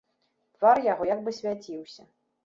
Твар яго як бы свяціўся.